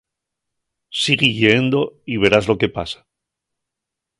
Sigui lleendo y verás lo que pasa.